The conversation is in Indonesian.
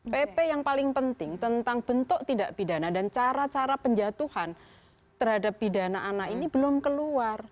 pp yang paling penting tentang bentuk tidak pidana dan cara cara penjatuhan terhadap pidana anak ini belum keluar